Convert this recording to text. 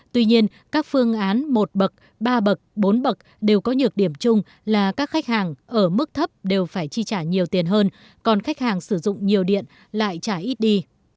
tuy nhiên các phương án một bậc ba bậc bốn bậc đều có nhược điểm chung là các khách hàng ở mức thấp đều phải chi trả nhiều tiền hơn còn khách hàng sử dụng nhiều điện lại trả ít đi